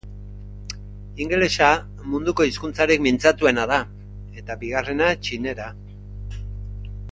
Ingelesa, munduko hizkuntzarik mintzatuena da, eta bigarrena, Txinera.